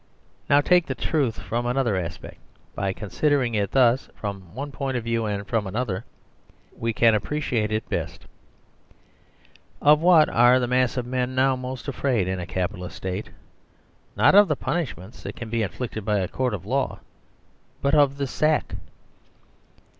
Now take the truth from another aspect by con sidering it thus from one point of view and from another we can appreciate it best Of what are the mass of men now most afraid in a Capitalist State ? Not of the punishments that can be inflicted by a Court of Law, but of " the sack."